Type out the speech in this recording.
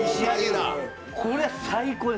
これは最高です。